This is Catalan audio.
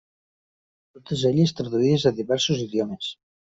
Totes elles traduïdes a diversos idiomes.